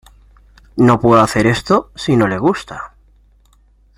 No puede hacer esto si no le gusta.